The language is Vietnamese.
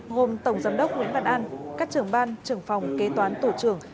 gồm tổng giám đốc nguyễn văn an các trưởng ban trưởng phòng kế toán tổ trưởng